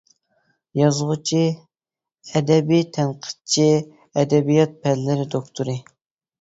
يازغۇچى، ئەدەبىي تەنقىدچى، ئەدەبىيات پەنلىرى دوكتورى.